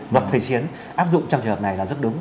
vâng thời chiến áp dụng trong trường hợp này là rất đúng